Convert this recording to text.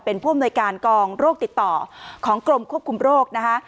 เป็นผู้อำนวยการกองโรคติดต่อของกรมควบคุมโรคนะคะ